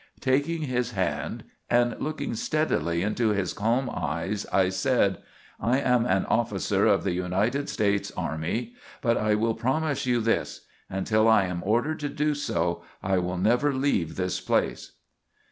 "Taking his hand and looking steadily into his calm eyes, I said: 'I am an officer of the United States army, but I will promise you this: until I am ordered to do so, I will never leave this place.'